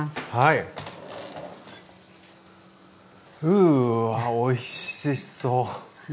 うわおいしそう！